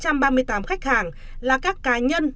cho khách hàng là các cá nhân